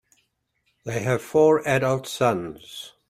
They have four adult sons.